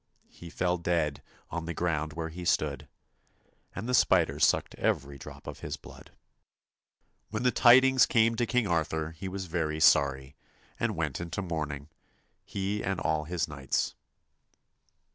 He fell dead on the ground where he stood, And the spider sucked every drop of his blood. When the tidings came to King Arthur he was very sorry, and went into mourning, he and all his knights.